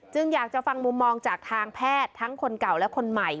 อยากจะฟังมุมมองจากทางแพทย์ทั้งคนเก่าและคนใหม่